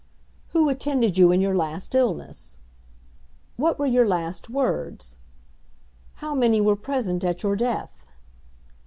"Who attended you in your last illness?" "What were your last words?" "How many were present at your death?"